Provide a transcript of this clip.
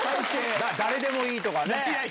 「誰でもいい」とかね。